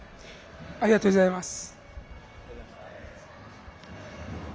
ありがとうございます。